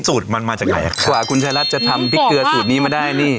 สูตรมันมาจากไหนอ่ะกว่าคุณชายรัฐจะทำพริกเกลือสูตรนี้มาได้นี่